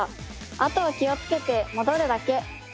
あとは気をつけて戻るだけ。